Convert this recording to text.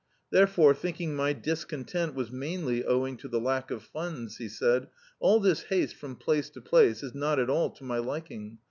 Therefore, thinking my discontent was mainly owing to the lack of funds, he said — "All this haste from place to place is not at all to my liking.